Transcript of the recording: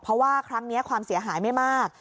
เพราะว่าครั้งนี้ความเสียหายไม่มาก